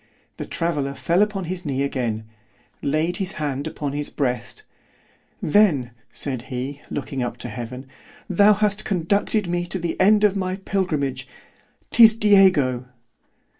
——The traveller fell upon his knee again—laid his hand upon his breast—then, said he, looking up to heaven, thou hast conducted me to the end of my pilgrimage—'Tis _Diego.